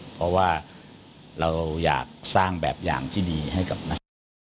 เพราะว่าเราอยากสร้างแบบอย่างที่ดีให้กับนักฐาน